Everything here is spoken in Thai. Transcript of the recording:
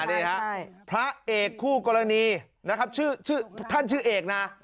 นี่ครับพระเอกคู่กรณีนะครับชื่อชื่อท่านชื่อเอกน่ะอ๋อ